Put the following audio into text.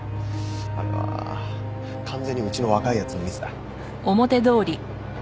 あれは完全にうちの若い奴のミスだ。